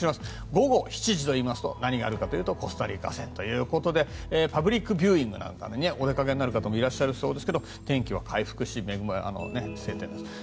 午後７時になりますと何があるかといいますとコスタリカ戦ということでパブリックビューイングなんかにお出かけになる方もいらっしゃるそうですが天気は回復して晴天です。